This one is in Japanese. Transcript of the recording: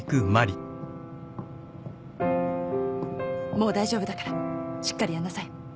もう大丈夫だからしっかりやんなさい。